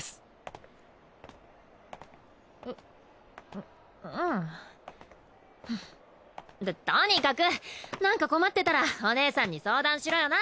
ううんフッ。ととにかくなんか困ってたらおねえさんに相談しろよな！